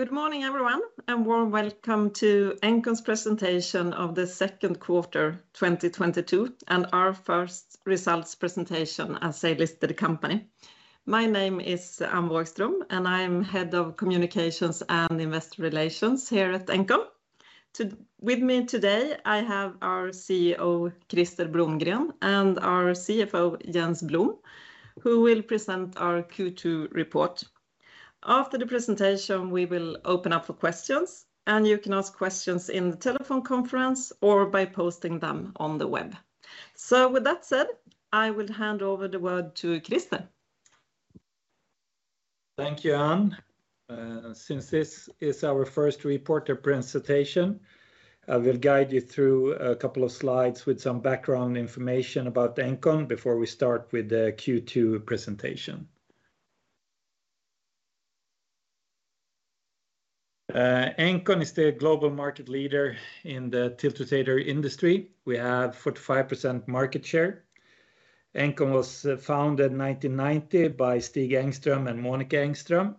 Good morning everyone, and warm welcome to Engcon's presentation of the second quarter 2022 and our first results presentation as a listed company. My name is Anne Vågström, and I'm Head of Communications and Investor Relations here at Engcon, with me today I have our CEO, Krister Blomgren, and our CFO, Jens Blom, who will present our Q2 report. After the presentation, we will open up for questions, and you can ask questions in the telephone conference or by posting them on the web. With that said, I will hand over the word to Krister. Thank you, Anne. Since this is our first reporter presentation, I will guide you through a couple of slides with some background information about Engcon before we start with the Q2 presentation. Engcon is the global market leader in the tiltrotator industry. We have 45% market share. Engcon was founded in 1990 by Stig Engström and Monica Engström.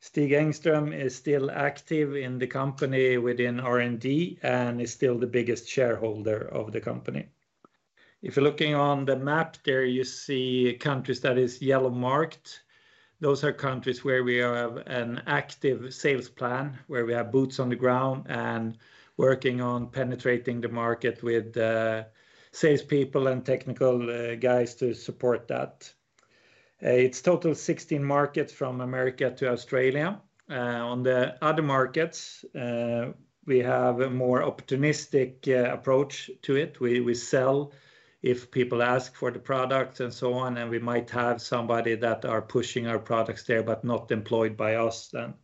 Stig Engström is still active in the company within R&D and is still the biggest shareholder of the company. If you're looking on the map there, you see countries that is yellow marked. Those are countries where we have an active sales plan, where we have boots on the ground and working on penetrating the market with salespeople and technical guys to support that. It's total 16 markets from America to Australia. On the other markets, we have a more optimistic approach to it. We sell if people ask for the product and so on, and we might have somebody that are pushing our products there but not employed by us then.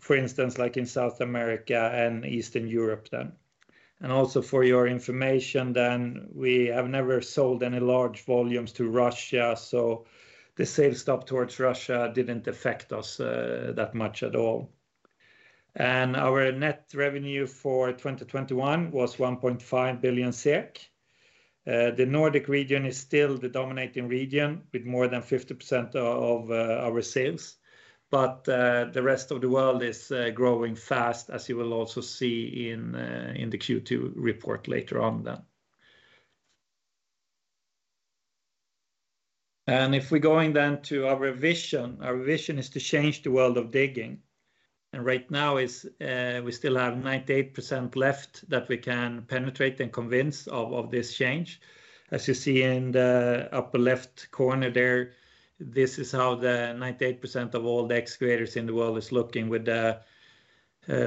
For instance, like in South America and Eastern Europe then. Also for your information then, we have never sold any large volumes to Russia, so the sales stop towards Russia didn't affect us, that much at all. Our net revenue for 2021 was 1.5 billion SEK. The Nordic region is still the dominating region with more than 50% of our sales. The rest of the world is growing fast, as you will also see in the Q2 report later on then. If we're going then to our vision, our vision is to change the world of digging. Right now is, we still have 98% left that we can penetrate and convince of this change. As you see in the upper left corner there, this is how the 98% of all the excavators in the world is looking with the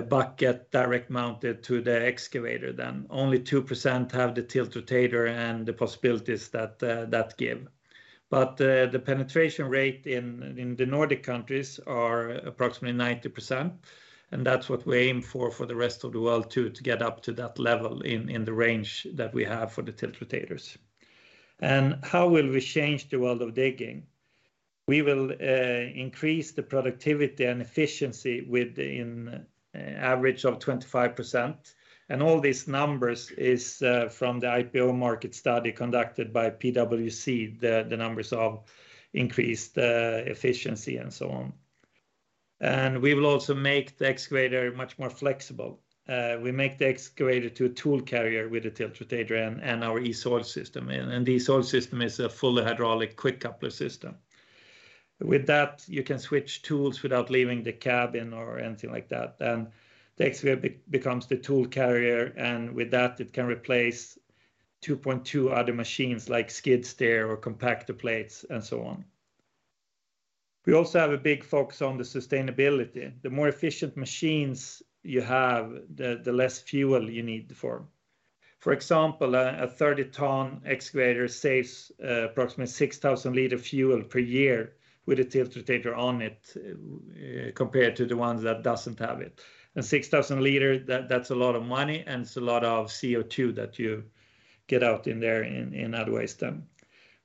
bucket direct mounted to the excavator then. Only 2% have the tiltrotator and the possibilities that give. The penetration rate in the Nordic countries are approximately 90%, and that's what we aim for for the rest of the world, too, to get up to that level in the range that we have for the tiltrotators. How will we change the world of digging? We will increase the productivity and efficiency with on average of 25%. All these numbers is from the IPO market study conducted by PwC, the numbers of increased efficiency and so on. We will also make the excavator much more flexible. We make the excavator to a tool carrier with the tiltrotator and our EC-Oil System. The EC-Oil System is a fully hydraulic quick coupler system. With that, you can switch tools without leaving the cabin or anything like that. The excavator becomes the tool carrier, and with that, it can replace 2.2 other machines like skid steer or compactor plates and so on. We also have a big focus on the sustainability. The more efficient machines you have, the less fuel you need for. For example, a 30-ton excavator saves approximately 6,000 liters fuel per year with a tiltrotator on it, compared to the ones that doesn't have it. 6,000 liters, that's a lot of money, and it's a lot of CO2 that you get out in there in other waste then.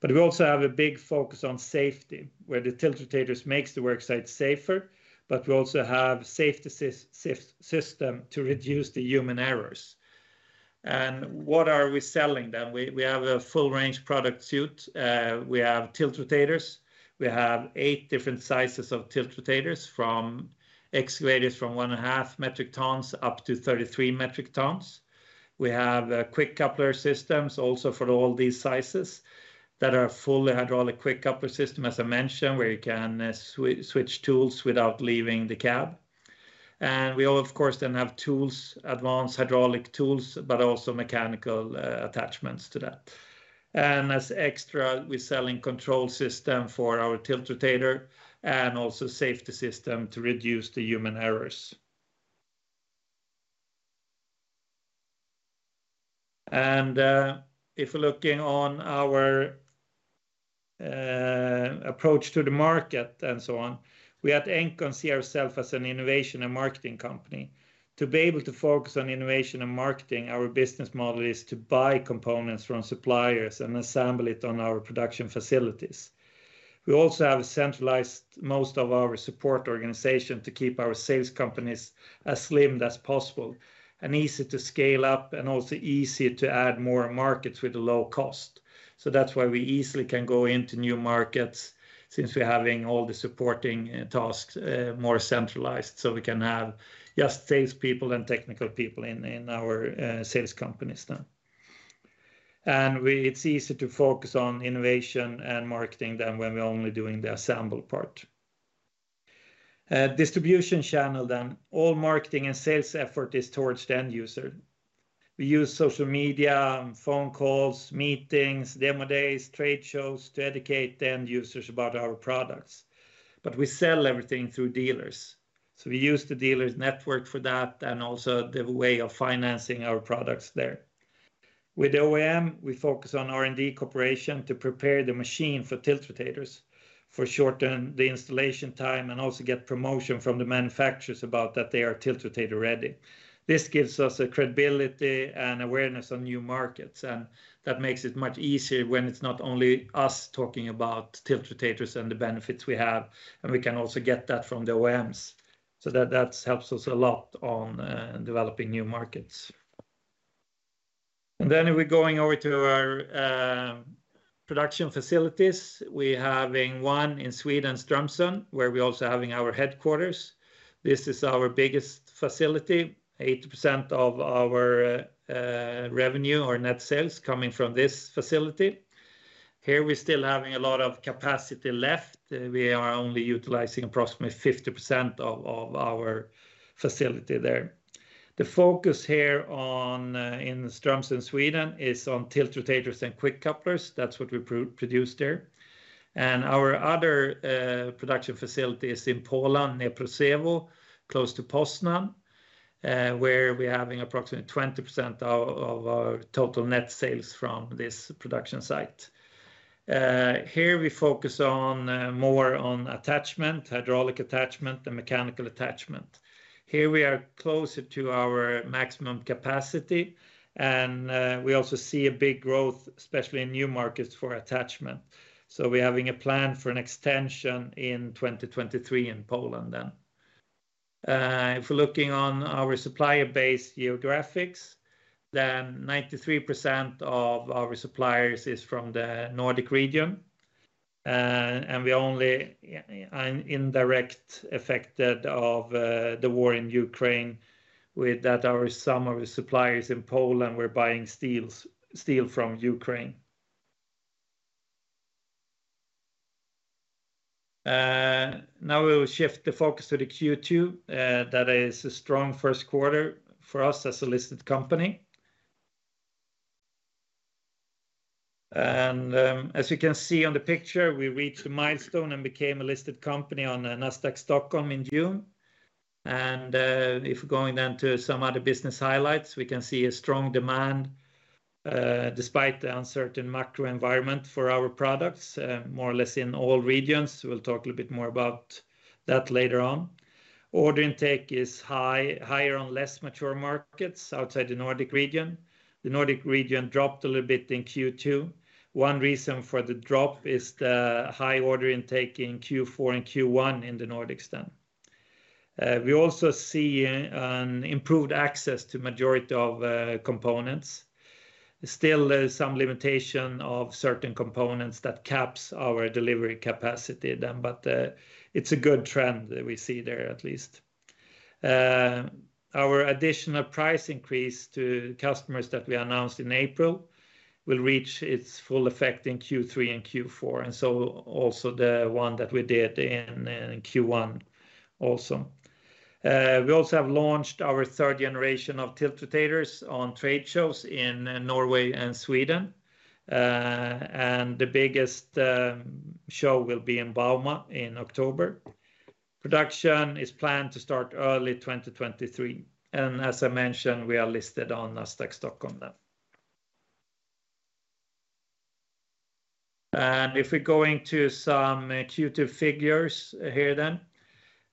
We also have a big focus on safety, where the tiltrotators makes the work site safer, but we also have safety system to reduce the human errors. What are we selling then? We have a full range product suite. We have tiltrotators. We have eight different sizes of tiltrotators from excavators from 1.5 metric tons up to 33 metric tons. We have quick coupler systems also for all these sizes that are fully hydraulic quick coupler system, as I mentioned, where you can switch tools without leaving the cab. We, of course, have tools, advanced hydraulic tools, but also mechanical attachments to that. As extra, we're selling control system for our tiltrotator and also safety system to reduce the human errors. If we're looking on our approach to the market and so on, we at Engcon see ourselves as an innovation and marketing company. To be able to focus on innovation and marketing, our business model is to buy components from suppliers and assemble it on our production facilities. We also have centralized most of our support organization to keep our sales companies as slimmed as possible, and easy to scale up, and also easy to add more markets with a low cost. That's why we easily can go into new markets since we're having all the supporting tasks more centralized, so we can have just salespeople and technical people in our sales companies then. It's easy to focus on innovation and marketing then when we're only doing the assembly part, distribution channel then. All marketing and sales effort is towards the end user. We use social media, phone calls, meetings, demo days, trade shows to educate the end users about our products. We sell everything through dealers. We use the dealers network for that and also the way of financing our products there. With OEM, we focus on R&D cooperation to prepare the machine for tiltrotators to shorten the installation time and also get promotion from the manufacturers about that they are tiltrotator ready. This gives us a credibility and awareness on new markets, and that makes it much easier when it's not only us talking about tiltrotators and the benefits we have, and we can also get that from the OEMs. That helps us a lot on developing new markets. Then we're going over to our production facilities. We having one in Sweden, Strömsund, where we also having our headquarters. This is our biggest facility. 80% of our revenue or net sales coming from this facility. Here, we still having a lot of capacity left. We are only utilizing approximately 50% of our facility there. The focus here on in Strömsund, Sweden is on tiltrotators and quick couplers. That's what we produce there. Our other production facility is in Poland, Niepruszewo, close to Poznań, where we're having approximately 20% of our total net sales from this production site. Here we focus on more on attachment, hydraulic attachment and mechanical attachment. Here we are closer to our maximum capacity, and we also see a big growth, especially in new markets for attachment. We're having a plan for an extension in 2023 in Poland then. If we're looking at our supplier base geography, then 93% of our suppliers are from the Nordic region. We are only indirectly affected by the war in Ukraine with the fact that some of our suppliers in Poland were buying steel from Ukraine. Now we will shift the focus to the Q2. That is a strong first quarter for us as a listed company. As you can see on the picture, we reached the milestone and became a listed company on Nasdaq Stockholm in June. If we're going then to some other business highlights, we can see a strong demand, despite the uncertain macro environment for our products, more or less in all regions. We'll talk a little bit more about that later on. Order intake is higher on less mature markets outside the Nordic region. The Nordic region dropped a little bit in Q2. One reason for the drop is the high order intake in Q4 and Q1 in the Nordics then. We also see an improved access to majority of components. Still, some limitation of certain components that caps our delivery capacity then, but, it's a good trend that we see there at least. Our additional price increase to customers that we announced in April will reach its full effect in Q3 and Q4, and so also the one that we did in Q1 also. We also have launched our third generation of tiltrotators on trade shows in Norway and Sweden. The biggest show will be in Bauma in October. Production is planned to start early 2023. As I mentioned, we are listed on Nasdaq Stockholm then. If we're going to some Q2 figures here then,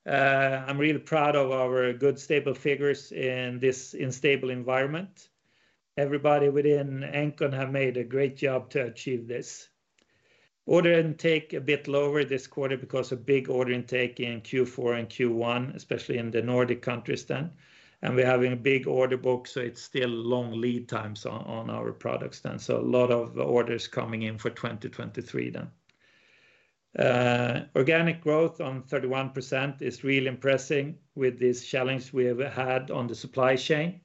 I'm really proud of our good stable figures in this unstable environment. Everybody within Engcon have made a great job to achieve this. Order intake a bit lower this quarter because of big order intake in Q4 and Q1, especially in the Nordic countries then. We're having a big order book, so it's still long lead times on our products then. A lot of orders coming in for 2023 then. Organic growth of 31% is really impressing with this challenge we have had on the supply chain.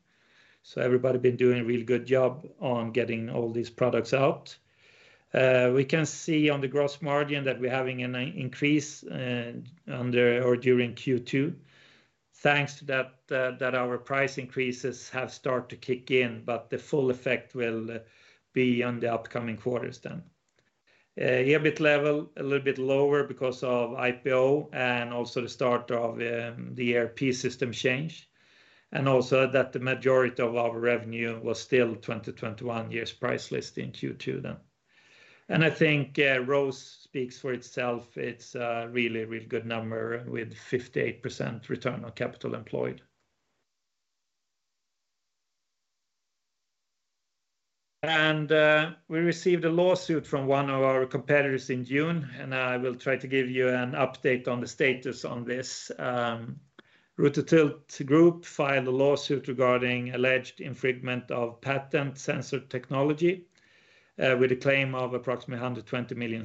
Everybody been doing a really good job on getting all these products out. We can see on the gross margin that we're having an increase during Q2. Thanks to that our price increases have start to kick in, but the full effect will be on the upcoming quarters then. EBIT level a little bit lower because of IPO and also the start of the ERP system change, and also that the majority of our revenue was still 2021 year's price list in Q2 then. I think ROCE speaks for itself. It's really, really good number with 58% return on capital employed. We received a lawsuit from one of our competitors in June, and I will try to give you an update on the status on this. Rototilt Group AB filed a lawsuit regarding alleged infringement of patent sensor technology with a claim of approximately 120 million.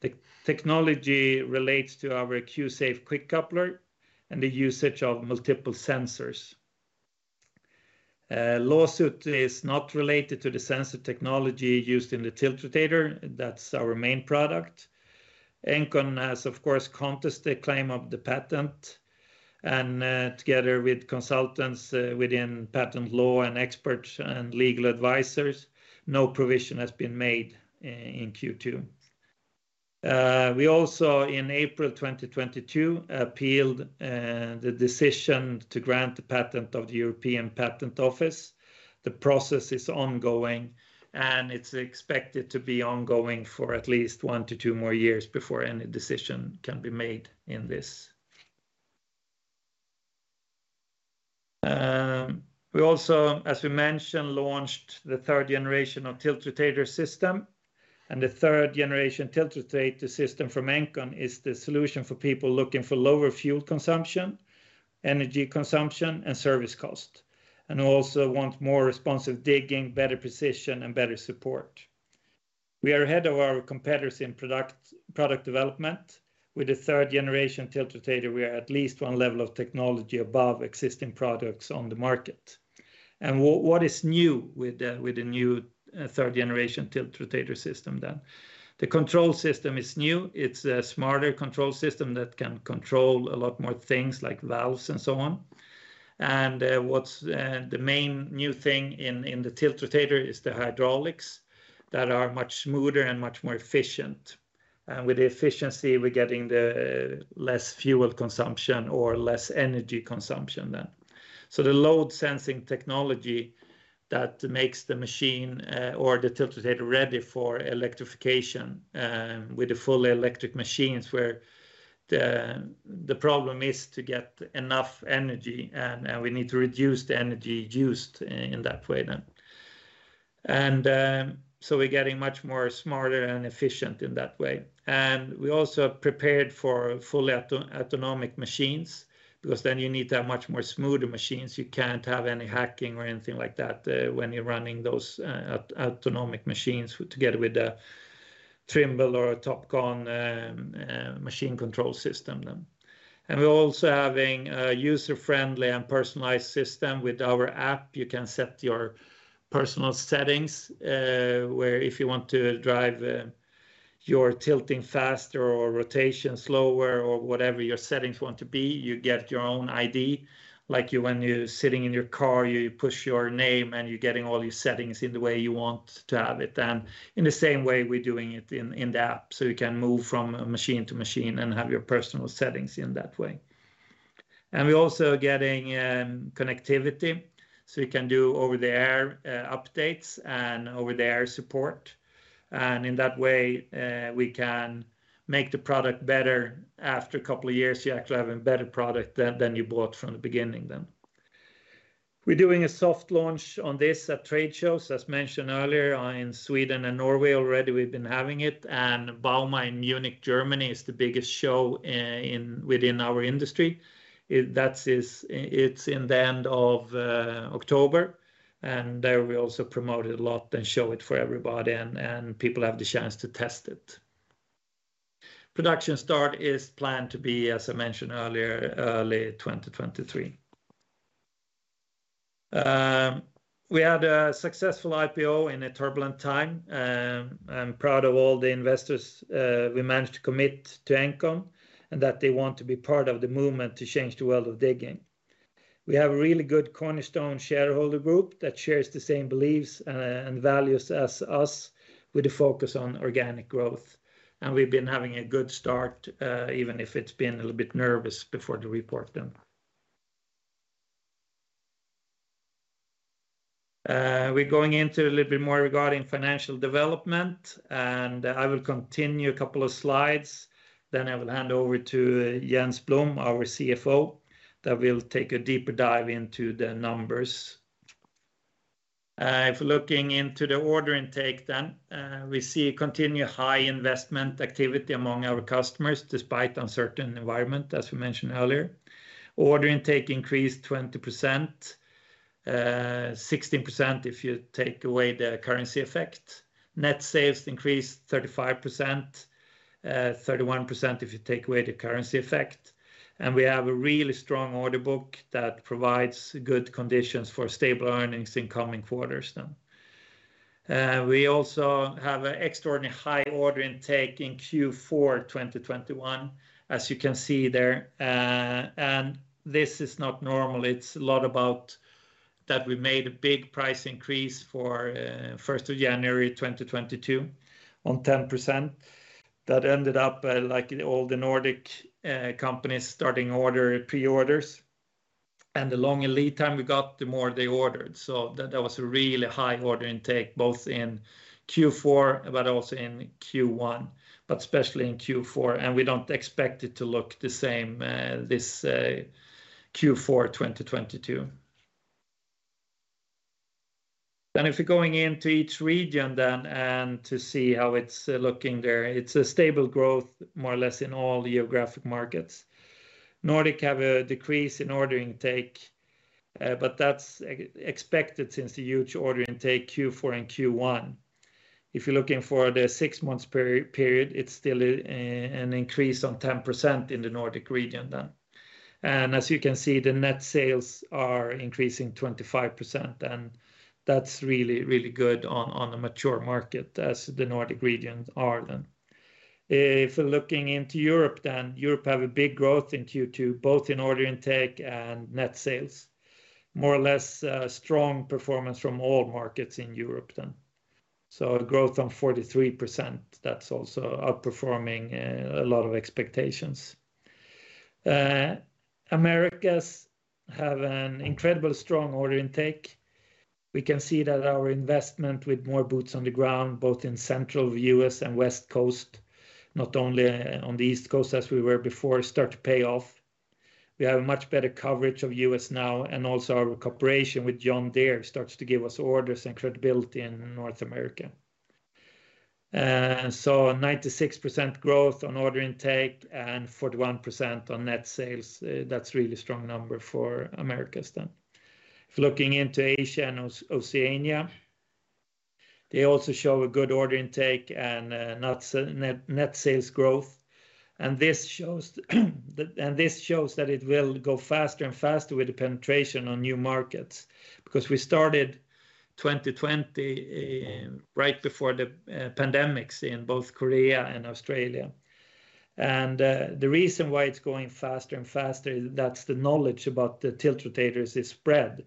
The technology relates to our Q-Safe quick coupler and the usage of multiple sensors. Lawsuit is not related to the sensor technology used in the tiltrotator. That's our main product. Engcon has, of course, contested the claim of the patent, and, together with consultants, within patent law and experts and legal advisors, no provision has been made in Q2. We also in April 2022 appealed, the decision to grant the patent of the European Patent Office. The process is ongoing, and it's expected to be ongoing for at least 1-2 more years before any decision can be made in this. We also, as we mentioned, launched the third generation of tiltrotator system, and the third generation tiltrotator system from Engcon is the solution for people looking for lower fuel consumption, energy consumption, and service cost, and also want more responsive digging, better precision, and better support. We are ahead of our competitors in product development. With the third generation tiltrotator, we are at least one level of technology above existing products on the market. What is new with the new third generation tiltrotator system then? The control system is new. It's a smarter control system that can control a lot more things like valves and so on. What's the main new thing in the tiltrotator is the hydraulics that are much smoother and much more efficient. With the efficiency, we're getting the less fuel consumption or less energy consumption then. The load sensing technology that makes the machine or the tiltrotator ready for electrification with the fully electric machines where the problem is to get enough energy, and we need to reduce the energy used in that way then. We're getting much more smarter and efficient in that way. We also have prepared for fully autonomous machines because then you need to have much more smoother machines. You can't have any hacking or anything like that when you're running those autonomous machines together with the Trimble or Topcon machine control system then. We're also having a user-friendly and personalized system with our app. You can set your personal settings where if you want to drive your tilting faster or rotation slower or whatever your settings want to be, you get your own ID. Like you when you're sitting in your car, you push your name, and you're getting all your settings in the way you want to have it. In the same way, we're doing it in the app, so you can move from machine to machine and have your personal settings in that way. We're also getting connectivity, so you can do over-the-air updates and over-the-air support. In that way, we can make the product better. After a couple of years, you're actually having better product than you bought from the beginning then. We're doing a soft launch on this at trade shows. As mentioned earlier, in Sweden and Norway already, we've been having it, and Bauma in Munich, Germany is the biggest show within our industry. It's in the end of October, and there we also promote it a lot and show it for everybody, and people have the chance to test it. Production start is planned to be, as I mentioned earlier, early 2023. We had a successful IPO in a turbulent time, and proud of all the investors, who managed to commit to Engcon, and that they want to be part of the movement to change the world of digging. We have a really good cornerstone shareholder group that shares the same beliefs, and values as us with the focus on organic growth, and we've been having a good start, even if it's been a little bit nervous before the report then. We're going into a little bit more regarding financial development, and I will continue a couple of slides, then I will hand over to Jens Blom, our CFO, that will take a deeper dive into the numbers. If looking into the order intake then, we see continued high investment activity among our customers despite uncertain environment, as we mentioned earlier. Order intake increased 20%. Sixteen percent if you take away the currency effect. Net sales increased 35%. Thirty-one percent if you take away the currency effect. We have a really strong order book that provides good conditions for stable earnings in coming quarters then. We also have an extraordinary high order intake in Q4 2021, as you can see there. This is not normal. It's a lot about that we made a big price increase for first of January 2022 on 10%. That ended up, like all the Nordic companies starting order pre-orders. The longer lead time we got, the more they ordered. That was a really high order intake, both in Q4, but also in Q1, but especially in Q4. We don't expect it to look the same, this Q4 2022. If you're going into each region then and to see how it's looking there, it's a stable growth more or less in all the geographic markets. Nordic have a decrease in order intake, but that's expected since the huge order intake Q4 and Q1. If you're looking for the six-month period, it's still an increase of 10% in the Nordic region then. As you can see, the net sales are increasing 25%, and that's really, really good on a mature market as the Nordic region are then. If we're looking into Europe then, Europe have a big growth in Q2, both in order intake and net sales. More or less, strong performance from all markets in Europe then. A growth of 43%, that's also outperforming a lot of expectations. Americas have an incredibly strong order intake. We can see that our investment with more boots on the ground, both in Central U.S. and West Coast, not only on the East Coast as we were before, start to pay off. We have a much better coverage of U.S. now, and also our cooperation with John Deere starts to give us orders and credibility in North America. A 96% growth on order intake and 41% on net sales, that's a really strong number for Americas then. If looking into Asia and Oceania, they also show a good order intake and net sales growth, and this shows that it will go faster and faster with the penetration on new markets. Because we started 2020 right before the pandemic in both Korea and Australia. The reason why it's going faster and faster, that's the knowledge about the tiltrotators is spread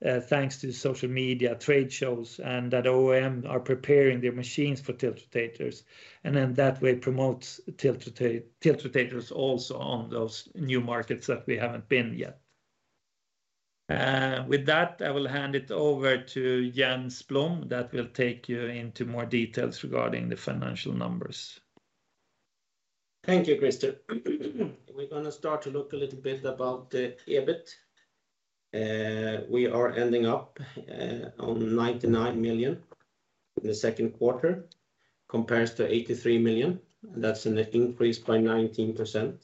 thanks to social media, trade shows, and that OEMs are preparing their machines for tiltrotators. That way promotes tiltrotators also on those new markets that we haven't been yet. I will hand it over to Jens Blom, that will take you into more details regarding the financial numbers. Thank you, Krister. We're gonna start to look a little bit about the EBIT. We are ending up on 99 million in the second quarter compared to 83 million, and that's a net increase by 19%.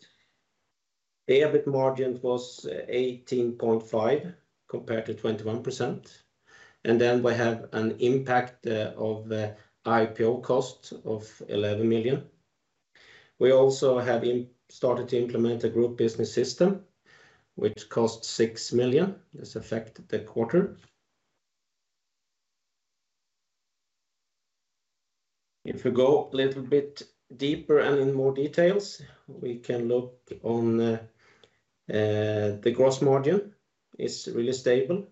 The EBIT margin was 18.5% compared to 21%, and then we have an impact of the IPO cost of 11 million. We also have started to implement a group business system which cost 6 million. This affected the quarter. If we go a little bit deeper and in more details, we can look on the gross margin. It's really stable.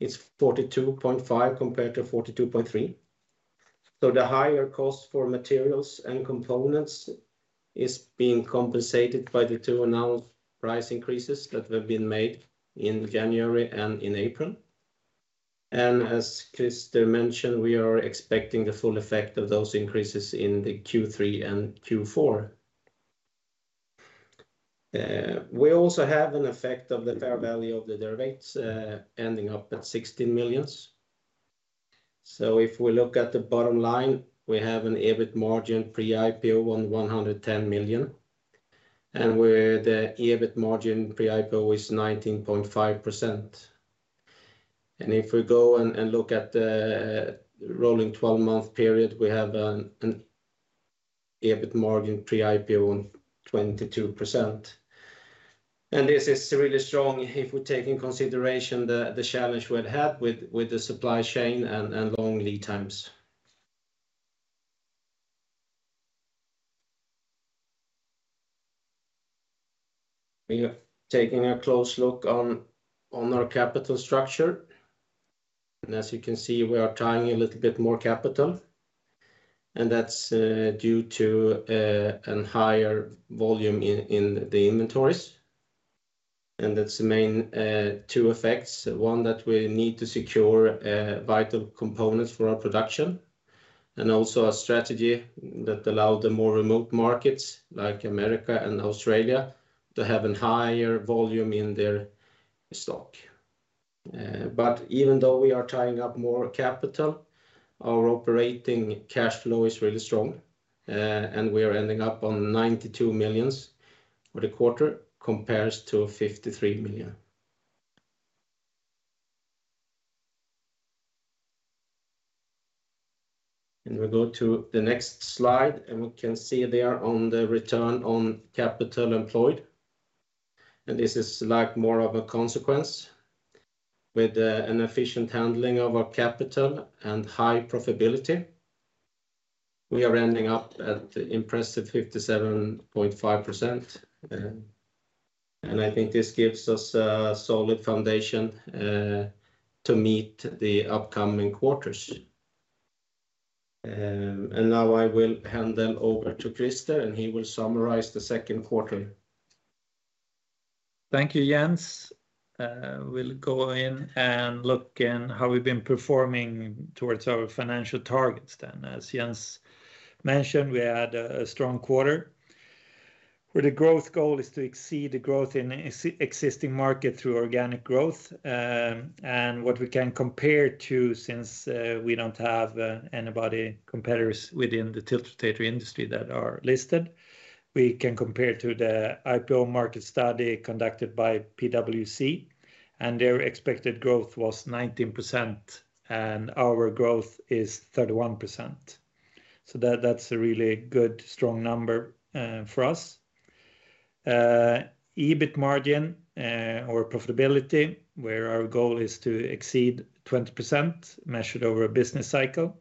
It's 42.5% compared to 42.3%. The higher cost for materials and components is being compensated by the two announced price increases that have been made in January and in April. As Krister mentioned, we are expecting the full effect of those increases in the Q3 and Q4. We also have an effect of the fair value of the derivatives ending up at 16 million. If we look at the bottom line, we have an EBIT margin pre-IPO on 110 million, and where the EBIT margin pre-IPO is 19.5%. If we go and look at the rolling twelve-month period, we have an EBIT margin pre-IPO on 22%. This is really strong if we take into consideration the challenge we had with the supply chain and long lead times. We have taken a close look at our capital structure. As you can see, we are tying a little bit more capital, and that's due to a higher volume in the inventories. That's the main two effects, one that we need to secure vital components for our production, and also a strategy that allow the more remote markets, like America and Australia, to have a higher volume in their stock. But even though we are tying up more capital, our operating cash flow is really strong. We are ending up on 92 million for the quarter compared to 53 million. We go to the next slide, and we can see there on the return on capital employed. This is like more of a consequence. With an efficient handling of our capital and high profitability, we are ending up at impressive 57.5%. I think this gives us a solid foundation to meet the upcoming quarters. Now I will hand it over to Krister, and he will summarize the second quarter. Thank you, Jens. We'll go into how we've been performing toward our financial targets. As Jens mentioned, we had a strong quarter, where the growth goal is to exceed the growth in existing market through organic growth. What we can compare to, since we don't have any competitors within the tiltrotator industry that are listed, we can compare to the IPO market study conducted by PwC, and their expected growth was 19%, and our growth is 31%. That's a really good, strong number for us. EBIT margin, or profitability, where our goal is to exceed 20% measured over a business cycle.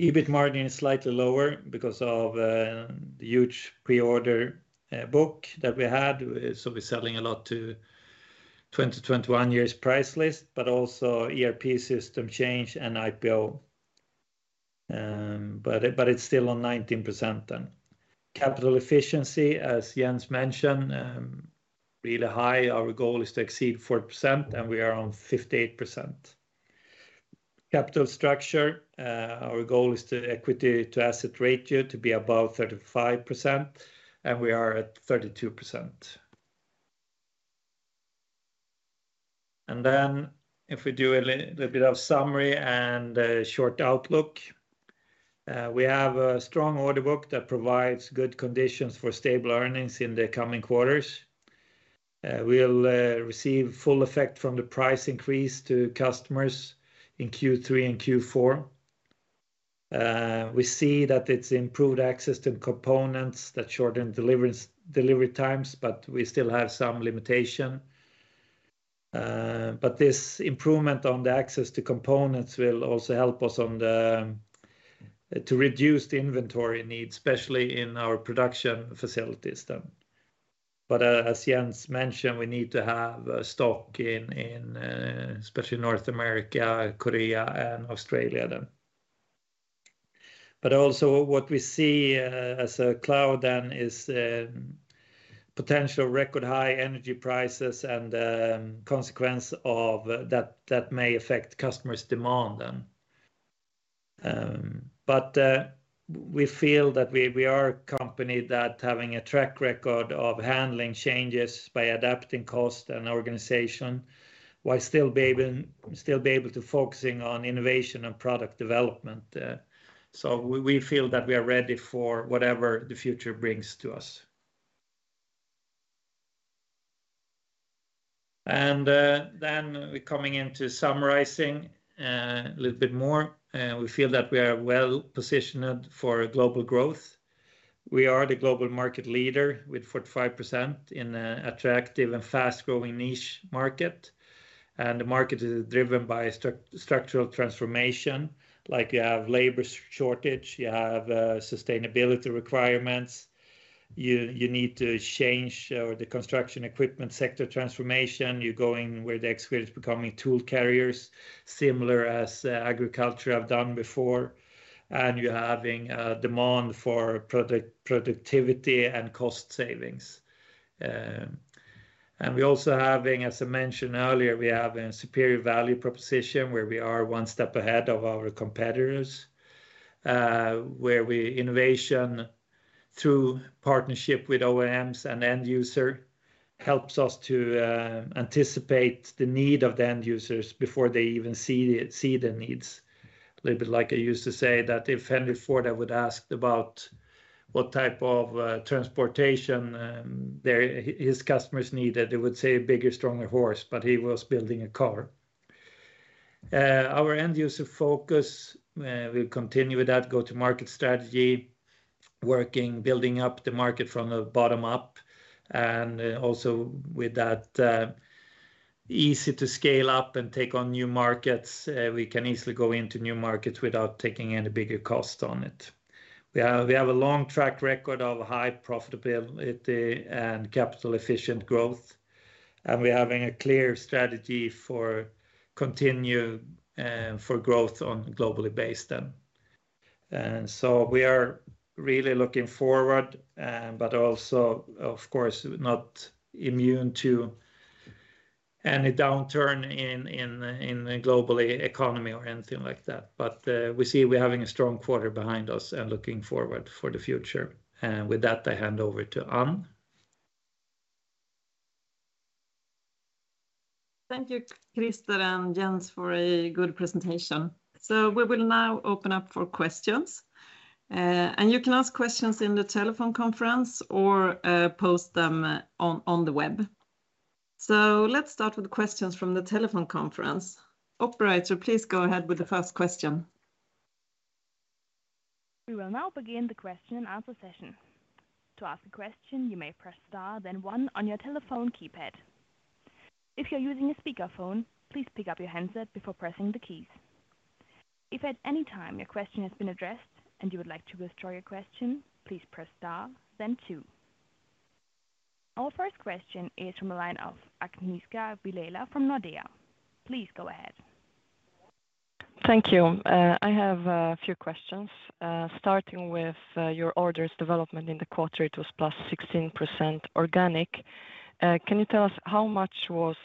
EBIT margin is slightly lower because of the huge pre-order book that we had. We're selling a lot to 2021 year's price list, but also ERP system change and IPO. It's still on 19% then. Capital efficiency, as Jens mentioned, really high. Our goal is to exceed 40%, and we are on 58%. Capital structure, our goal is to equity to asset ratio to be above 35%, and we are at 32%. If we do a little bit of summary and a short outlook, we have a strong order book that provides good conditions for stable earnings in the coming quarters. We'll receive full effect from the price increase to customers in Q3 and Q4. We see that it's improved access to components that shorten delivery times, but we still have some limitation. This improvement on the access to components will also help us to reduce the inventory needs, especially in our production facilities then. As Jens mentioned, we need to have stock in especially North America, Korea, and Australia then. What we see as a cloud then is potential record high energy prices and consequence of that may affect customers' demand then. We feel that we are a company that having a track record of handling changes by adapting cost and organization while still be able to focusing on innovation and product development. We feel that we are ready for whatever the future brings to us. We're coming into summarizing a little bit more. We feel that we are well-positioned for global growth. We are the global market leader with 45% in an attractive and fast-growing niche market, and the market is driven by structural transformation. Like you have labor shortage, you have sustainability requirements, you need to change the construction equipment sector transformation. You're going where the excavator is becoming tool carriers, similar as agriculture have done before, and you're having a demand for productivity and cost savings. We're also having, as I mentioned earlier, we have a superior value proposition where we are one step ahead of our competitors, where we innovate through partnership with OEMs and end user helps us to anticipate the need of the end users before they even see the needs. A little bit like I used to say that if Henry Ford would ask about what type of transportation his customers needed, they would say a bigger, stronger horse, but he was building a car. Our end user focus, we'll continue with that go-to-market strategy, working, building up the market from the bottom up, and also with that, easy to scale up and take on new markets. We can easily go into new markets without taking any bigger cost on it. We have a long track record of high profitability and capital efficient growth, and we're having a clear strategy for continued growth on a global basis then. We are really looking forward, but also of course not immune to any downturn in the global economy or anything like that. We see we're having a strong quarter behind us and looking forward for the future. With that, I hand over to Anne. Thank you, Krister and Jens, for a good presentation. We will now open up for questions. You can ask questions in the telephone conference or post them on the web. Let's start with questions from the telephone conference. Operator, please go ahead with the first question. We will now begin the question and answer session. To ask a question, you may press star then one on your telephone keypad. If you're using a speakerphone, please pick up your handset before pressing the keys. If at any time your question has been addressed and you would like to withdraw your question, please press star then two. Our first question is from the line of Agnieszka Vilela from Nordea. Please go ahead. Thank you. I have a few questions, starting with your orders development in the quarter, it was +16% organic. Can you tell us how much was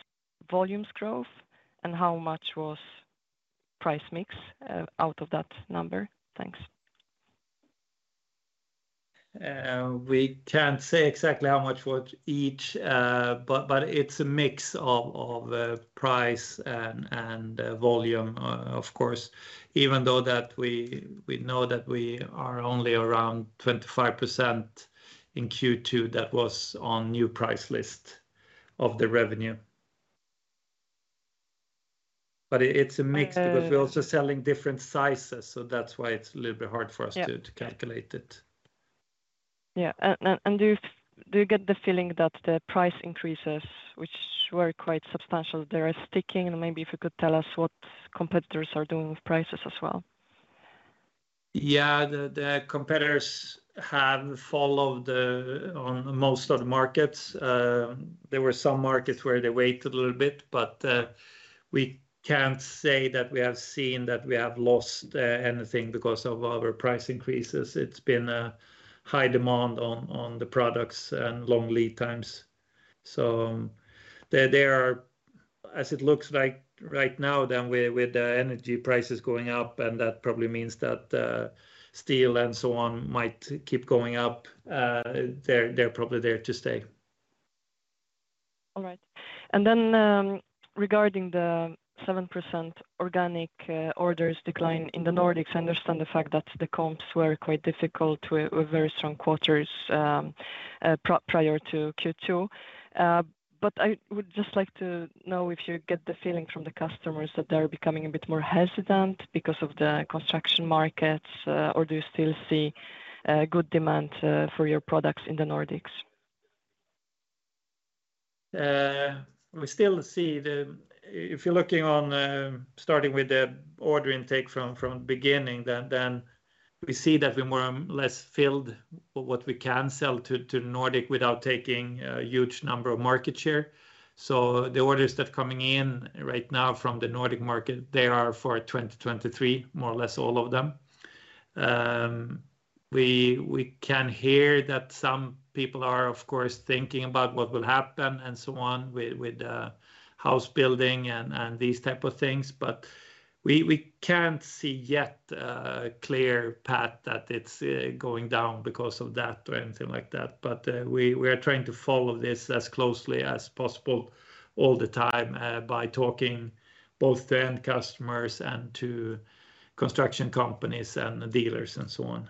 volumes growth and how much was price mix, out of that number? Thanks. We can't say exactly how much was each, but it's a mix of price and volume, of course, even though we know that we are only around 25% in Q2 that was on new price list of the revenue. It's a mix because we're also selling different sizes, so that's why it's a little bit hard for us to calculate it. Yeah. Do you get the feeling that the price increases, which were quite substantial, they are sticking? Maybe if you could tell us what competitors are doing with prices as well. Yeah. The competitors have followed on most of the markets. There were some markets where they waited a little bit, but we can't say that we have seen that we have lost anything because of our price increases. It's been a high demand on the products and long lead times. They are as it looks like right now then with the energy prices going up, and that probably means that steel and so on might keep going up. They're probably there to stay. All right. Regarding the 7% organic orders decline in the Nordics, I understand the fact that the comps were quite difficult with very strong quarters prior to Q2. I would just like to know if you get the feeling from the customers that they're becoming a bit more hesitant because of the construction markets, or do you still see good demand for your products in the Nordics? We still see that. If you're looking on, starting with the order intake from the beginning, then we see that we're more or less filled with what we can sell to Nordic without taking a huge number of market share. The orders that coming in right now from the Nordic market, they are for 2023, more or less all of them. We can hear that some people are, of course, thinking about what will happen and so on with house building and these type of things, but we can't see yet a clear path that it's going down because of that or anything like that. We are trying to follow this as closely as possible all the time by talking both to end customers and to construction companies and dealers and so on.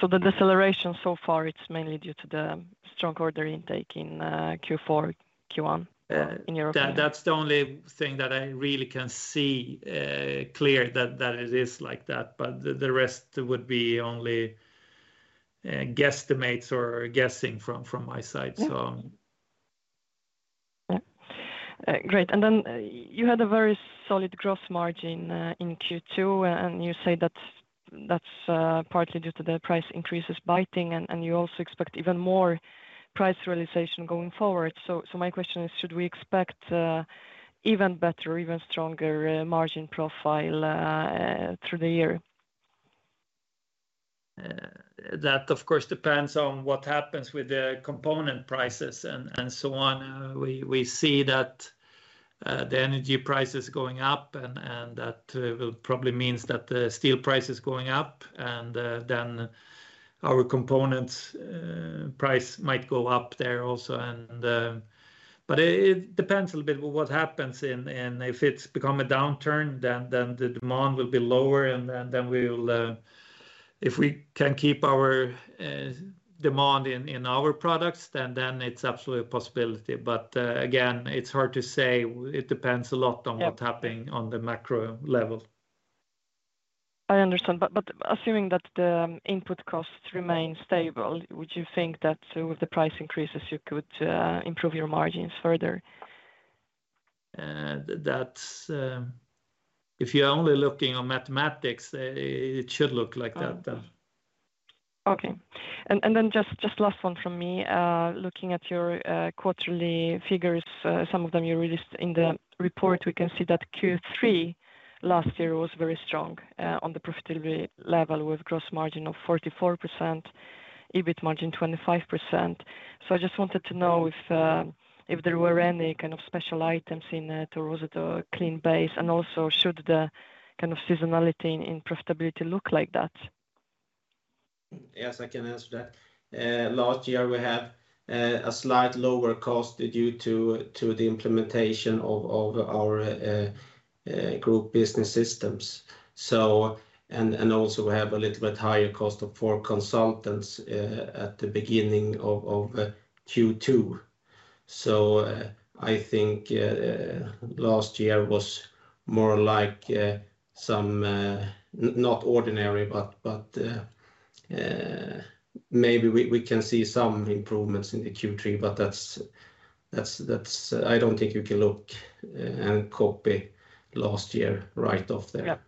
The deceleration so far, it's mainly due to the strong order intake in Q4, Q1, in your opinion? That's the only thing that I really can see clearly that it is like that, but the rest would be only guesstimates or guessing from my side. Yeah. Yeah. Great. Then you had a very solid gross margin in Q2, and you say that's partly due to the price increases biting and you also expect even more price realization going forward. My question is, should we expect even better, even stronger margin profile through the year? That of course depends on what happens with the component prices and so on. We see that the energy price is going up and that will probably means that the steel price is going up and then our components price might go up there also. It depends a little bit on what happens and if it's become a downturn, then the demand will be lower and then if we can keep our demand in our products, then it's absolutely a possibility. Again, it's hard to say. It depends a lot on what's happening on the macro level. I understand. Assuming that the input costs remain stable, would you think that with the price increases you could improve your margins further? That's if you're only looking on mathematics, it should look like that, yeah. Okay. Then just last one from me. Looking at your quarterly figures, some of them you released in the report, we can see that Q3 last year was very strong on the profitability level with gross margin of 44%, EBIT margin 25%. I just wanted to know if there were any kind of special items in it, or was it a clean base? Also, should the kind of seasonality in profitability look like that? Yes, I can answer that. Last year we had a slight lower cost due to the implementation of our group business systems. We have a little bit higher cost for consultants at the beginning of Q2. I think last year was more like some not ordinary, but maybe we can see some improvements in the Q3. I don't think you can look and copy last year right off there. Yeah.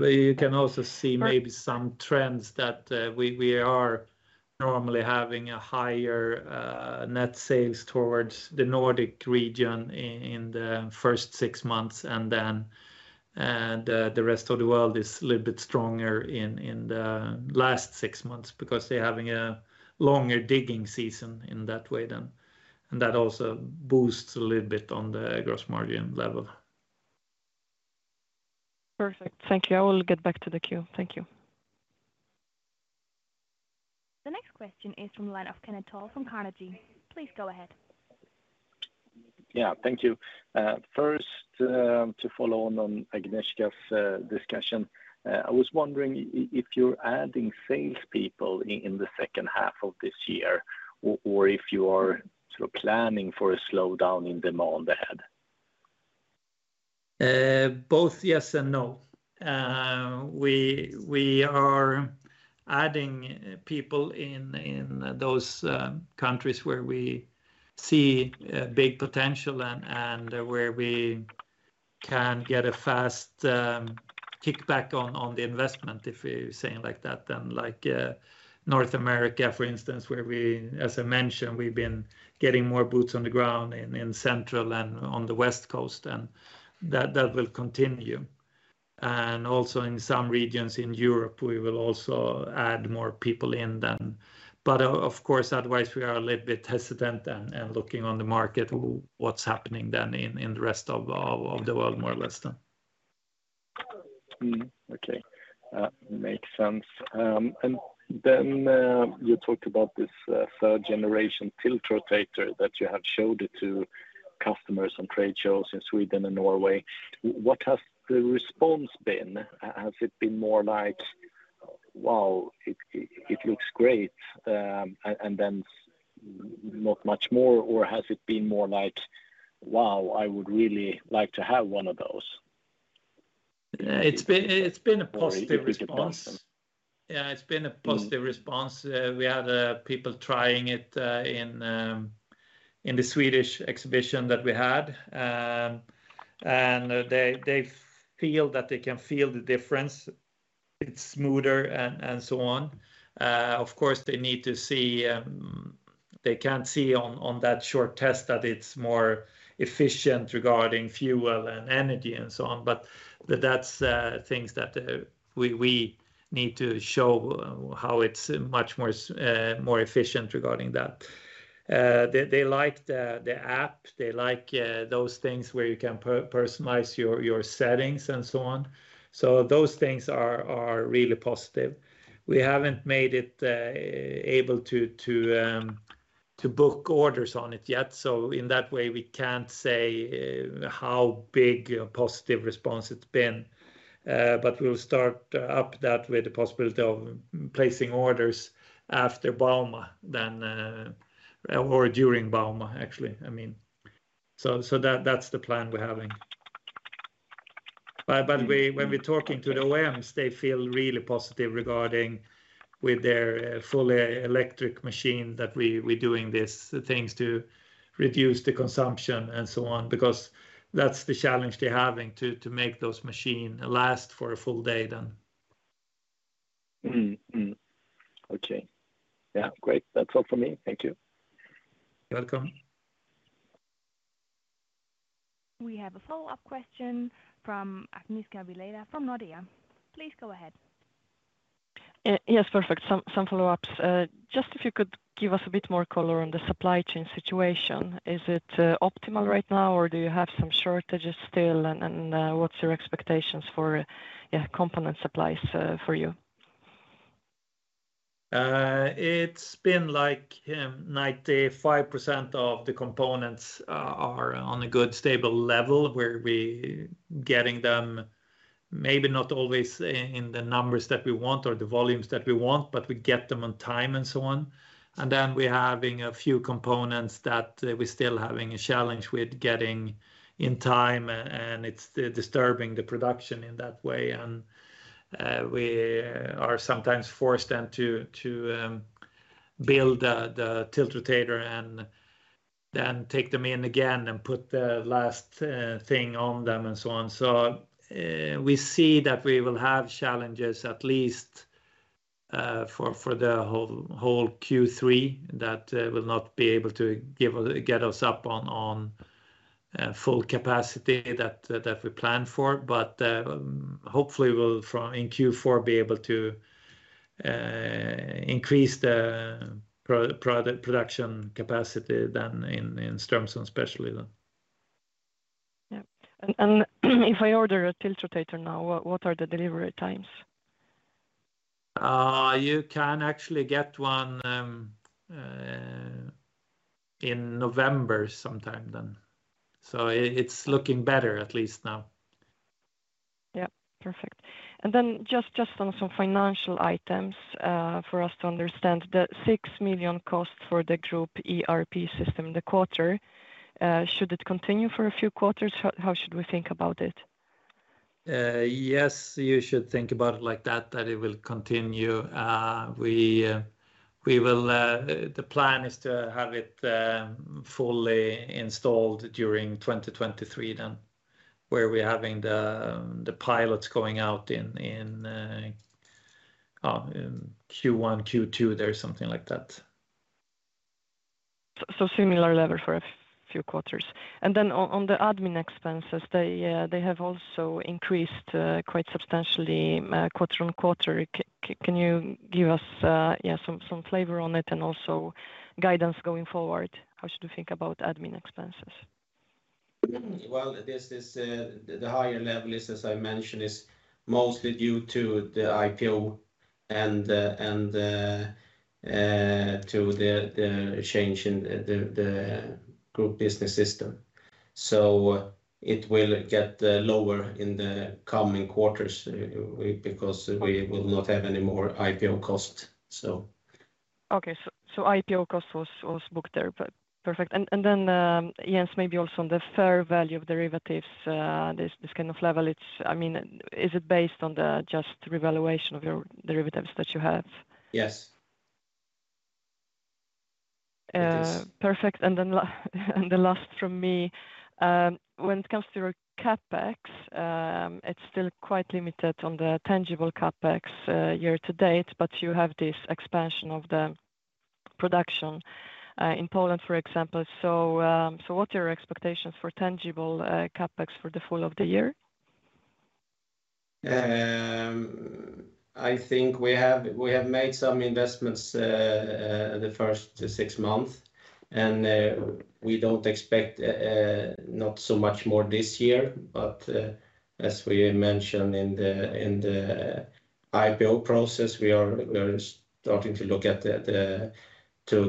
You can also see maybe some trends that we are normally having a higher net sales towards the Nordic region in the first six months, and then and the rest of the world is a little bit stronger in the last six months because they're having a longer digging season in that way then. That also boosts a little bit on the gross margin level. Perfect. Thank you. I will get back to the queue. Thank you. The next question is from the line of Kenneth Toll from Carnegie. Please go ahead. Yeah. Thank you. First, to follow on Agnieszka's discussion, I was wondering if you're adding salespeople in the second half of this year or if you are sort of planning for a slowdown in demand ahead? Both yes and no. We are adding people in those countries where we see a big potential and where we can get a fast kickback on the investment if we're saying like that then like North America, for instance, where we, as I mentioned, we've been getting more boots on the ground in Central and on the West Coast, and that will continue. Also in some regions in Europe, we will also add more people in then. Of course, otherwise we are a little bit hesitant and looking on the market what's happening then in the rest of the world more or less then. Okay. Makes sense. You talked about this third generation tiltrotator that you have showed it to customers on trade shows in Sweden and Norway. What has the response been? Has it been more like, "Wow, it looks great," and then not much more? Or has it been more like, "Wow, I would really like to have one of those"? It's been a positive response. If we could advance them. Yeah. It's been a positive response. We had people trying it in the Swedish exhibition that we had. They feel that they can feel the difference. It's smoother and so on. Of course, they need to see they can't see on that short test that it's more efficient regarding fuel and energy and so on, but that's things that we need to show how it's much more efficient regarding that. They like the app. They like those things where you can personalize your settings and so on. Those things are really positive. We haven't made it able to book orders on it yet, so in that way, we can't say how big a positive response it's been. We'll start with that with the possibility of placing orders after bauma then, or during bauma, actually, I mean. That's the plan we're having. Mm-hmm. When we're talking to the OEMs, they feel really positive regarding with their fully electric machine that we're doing this, the things to reduce the consumption and so on, because that's the challenge they're having to make those machine last for a full day. Okay. Yeah. Great. That's all for me. Thank you. You're welcome. We have a follow-up question from Agnieszka Vilela from Nordea. Please go ahead. Yes. Perfect. Some follow-ups. Just if you could give us a bit more color on the supply chain situation. Is it optimal right now, or do you have some shortages still? What's your expectations for component supplies for you? It's been like 95% of the components are on a good, stable level where we getting them maybe not always in the numbers that we want or the volumes that we want, but we get them on time and so on. Then we're having a few components that we're still having a challenge with getting in time and it's disturbing the production in that way. We are sometimes forced then to build the tiltrotator and then take them in again and put the last thing on them and so on. We see that we will have challenges at least for the whole Q3 that will not be able to get us up on full capacity that we planned for. Hopefully we'll in Q4 be able to increase the production capacity than in Strömsund especially then. Yeah. If I order a tiltrotator now, what are the delivery times? You can actually get one in November sometime then. It's looking better at least now. Yeah. Perfect. Just on some financial items for us to understand. The 6 million cost for the group ERP system in the quarter should it continue for a few quarters? How should we think about it? Yes. You should think about it like that it will continue. The plan is to have it fully installed during 2023 then, where we're having the pilots going out in Q1, Q2 there, something like that. Similar level for a few quarters. Then on the admin expenses, they have also increased quite substantially quarter-on-quarter. Can you give us some flavor on it and also guidance going forward? How should we think about admin expenses? Well, this is the higher level, as I mentioned, mostly due to the IPO and to the change in the group business system. It will get lower in the coming quarters because we will not have any more IPO costs. Okay. IPO cost was booked there, perfect. Jens, maybe also on the fair value of derivatives, this kind of level. I mean, is it based on just the revaluation of your derivatives that you have? Yes. It is. Perfect. The last from me, when it comes to your CapEx, it's still quite limited on the tangible CapEx year to date, but you have this expansion of the production in Poland, for example. What are your expectations for tangible CapEx for the full year? I think we have made some investments in the first six months, and we don't expect so much more this year. As we mentioned in the IPO process, we are starting to look at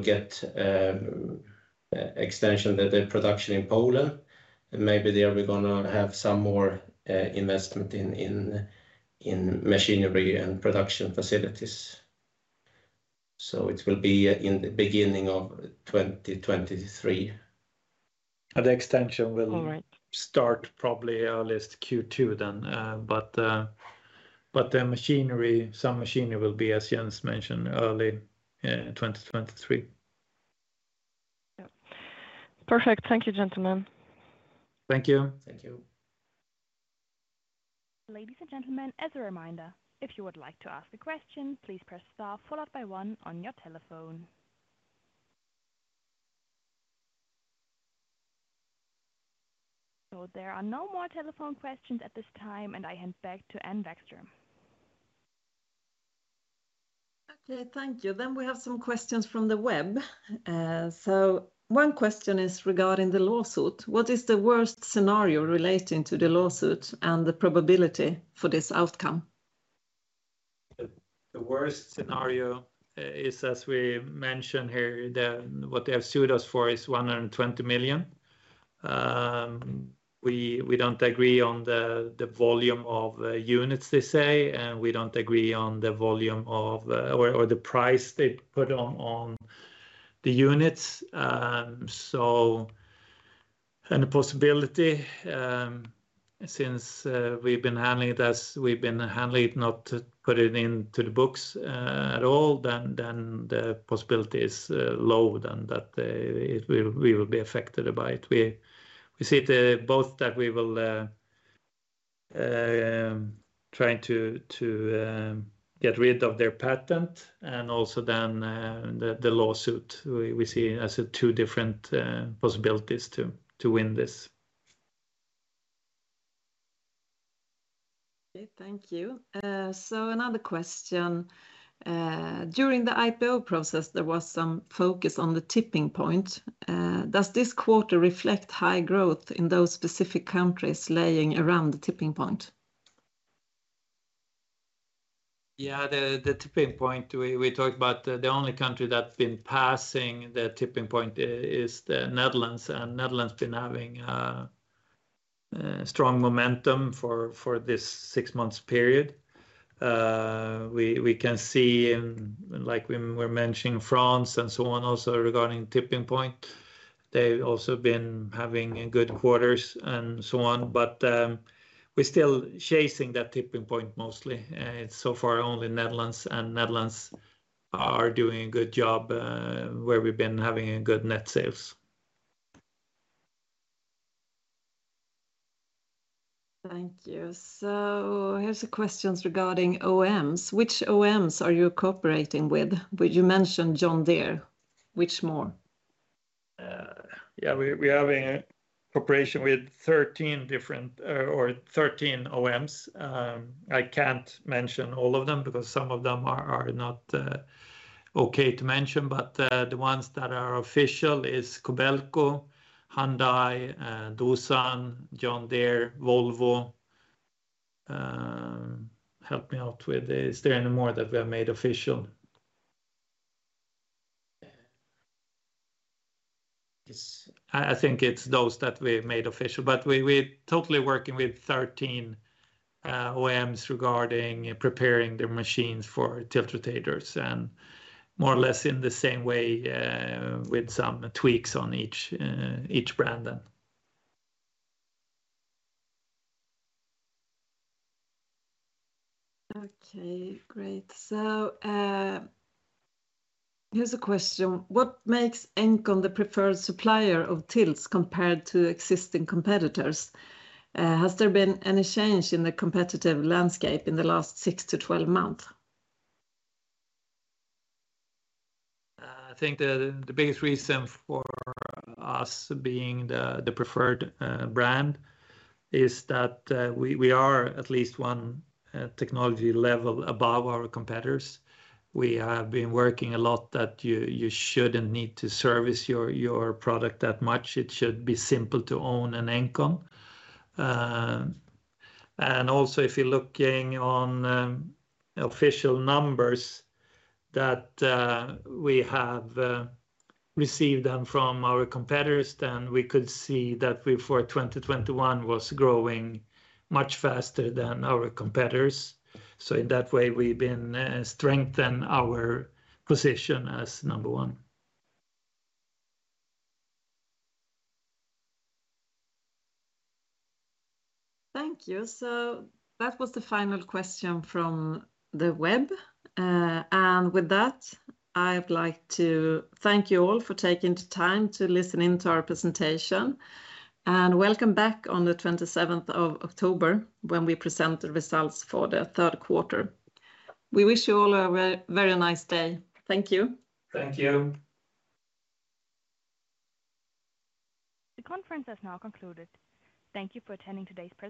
getting an extension of the production in Poland. Maybe there we're gonna have some more investment in machinery and production facilities. It will be in the beginning of 2023. And the extension will- All right. Start probably earliest Q2 then. The machinery, some machinery will be, as Jens mentioned, early 2023. Yeah. Perfect. Thank you, gentlemen. Thank you. Thank you. Ladies and gentlemen, as a reminder, if you would like to ask a question, please press star followed by one on your telephone. There are no more telephone questions at this time, and I hand back to Anne Vågström. Okay. Thank you. We have some questions from the web. One question is regarding the lawsuit. What is the worst scenario relating to the lawsuit and the probability for this outcome? The worst scenario is, as we mentioned here, what they have sued us for is 120 million. We don't agree on the volume of units they say, and we don't agree on the price they put on the units. The possibility, since we've been handling it not to put it into the books at all, then the possibility is low that we will be affected by it. We see both that we will try to get rid of their patent and also the lawsuit we see as two different possibilities to win this. Okay. Thank you. Another question. During the IPO process, there was some focus on the tipping point. Does this quarter reflect high growth in those specific countries lying around the tipping point? Yeah. The tipping point we talked about, the only country that's been passing the tipping point is the Netherlands. Netherlands been having strong momentum for this six months period. We can see, like we were mentioning France and so on, also regarding tipping point, they've also been having good quarters and so on, but we're still chasing that tipping point mostly. It's so far only Netherlands, and Netherlands are doing a good job, where we've been having good net sales. Thank you. Here's the questions regarding OEMs. Which OEMs are you cooperating with? Well, you mentioned John Deere. Which more? We are having cooperation with 13 different or 13 OEMs. I can't mention all of them because some of them are not okay to mention. The ones that are official is Kobelco, Hyundai, Doosan, John Deere, Volvo. Help me out with, is there any more that we have made official? Yes. I think it's those that we have made official, but we're totally working with 13 OEMs regarding preparing their machines for tiltrotators and more or less in the same way with some tweaks on each brand then. Okay, great. Here's a question. What makes Engcon the preferred supplier of tilts compared to existing competitors? Has there been any change in the competitive landscape in the last 6-12 months? I think the biggest reason for us being the preferred brand is that we are at least one technology level above our competitors. We have been working a lot that you shouldn't need to service your product that much. It should be simple to own an Engcon. Also, if you're looking on official numbers that we have received them from our competitors, then we could see that we, for 2021, was growing much faster than our competitors. In that way, we've been strengthen our position as number one. Thank you. That was the final question from the web. I would like to thank you all for taking the time to listen in to our presentation. Welcome back on the 27th of October when we present the results for the third quarter. We wish you all a very nice day. Thank you. Thank you. The conference has now concluded. Thank you for attending today's presentation.